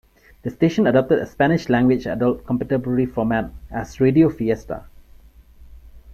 The station adopted a Spanish language adult contemporary format as "Radio Fiesta".